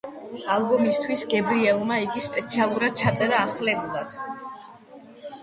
ალბომისთვის გებრიელმა იგი სპეციალურად ჩაწერა ახლებურად.